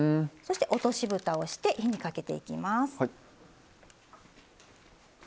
そして落としぶたをして火にかけていきます。